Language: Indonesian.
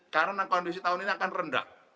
karena kondisi tahun ini akan rendah